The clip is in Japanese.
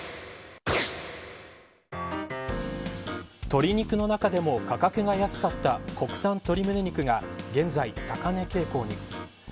鶏肉の中でも価格が安かった国産鶏むね肉が現在、高値傾向に。